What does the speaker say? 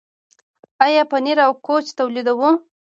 آیا پنیر او کوچ تولیدوو؟